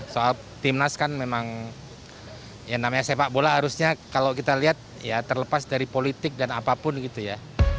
soal timnas kan memang ya namanya sepak bola harusnya kalau kita lihat ya terlepas dari politik dan apapun gitu ya